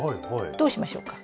どうしましょうか？